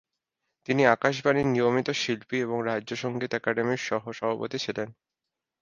তিনি আকাশবাণীর নিয়মিত শিল্পী এবং রাজ্য সঙ্গীত আকাদেমির সহ সভাপতি ছিলেন।